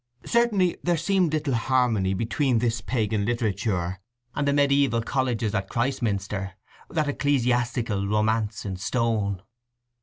Certainly there seemed little harmony between this pagan literature and the mediæval colleges at Christminster, that ecclesiastical romance in stone.